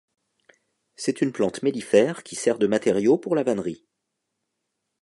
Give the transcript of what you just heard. C'est une plante mellifère qui sert de matériau pour la vannerie.